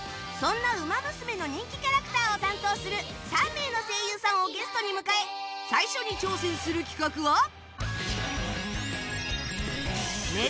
そんなウマ娘の人気キャラクターを担当する３名の声優さんをゲストに迎え最初に挑戦する企画は。